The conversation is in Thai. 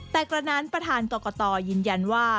แต่กระนั้นประธานกรกตยืนยันว่า